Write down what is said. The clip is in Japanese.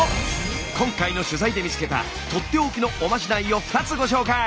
今回の取材で見つけたとっておきのおまじないを２つご紹介！